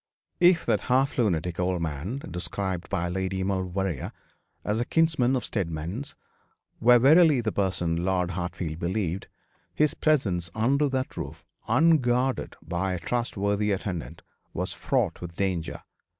If that half lunatic old man, described by Lady Maulevrier as a kinsman of Steadman's, were verily the person Lord Hartfield believed, his presence under that roof, unguarded by a trust worthy attendant, was fraught with danger.